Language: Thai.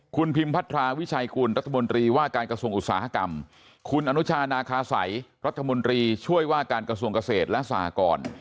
คุณพิมพัทราวิชัยกุลรัฐมนตรีว่าการกระทรวงอุตสาหกรรมคุณอนุชานาคาสัยรัฐมนตรีช่วยว่าการกระทรวงเกษตรและสหกร